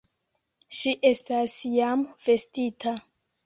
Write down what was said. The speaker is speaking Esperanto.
Ŝi estas jam vestita.